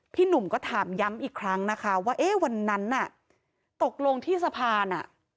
หนุ่มก็ถามย้ำอีกครั้งนะคะว่าเอ๊ะวันนั้นน่ะตกลงที่สะพานอ่ะ